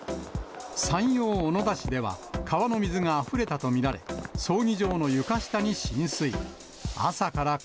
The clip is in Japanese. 山陽小野田市では、川の水があふれたと見られ、葬儀場の床下に浸水。